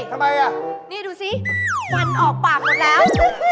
ทำไมอ่ะนี่ดูสิฟันออกปากหมดแล้ว